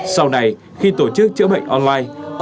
sau này khi tổ chức chữa bệnh online